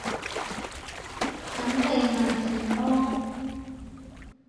噉你咪住囉